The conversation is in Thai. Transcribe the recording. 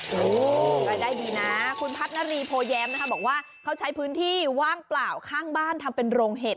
โอ้โหรายได้ดีนะคุณพัฒนารีโพแย้มนะคะบอกว่าเขาใช้พื้นที่ว่างเปล่าข้างบ้านทำเป็นโรงเห็ด